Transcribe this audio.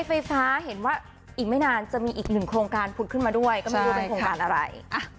เพราะว่าเบลไม่อยากมี